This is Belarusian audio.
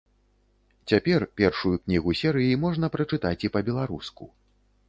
Цяпер першую кнігу серыі можна прачытаць і па-беларуску.